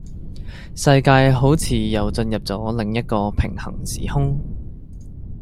世界好似又進入左另一個平行時空